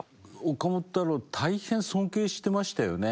岡本太郎大変尊敬してましたよね。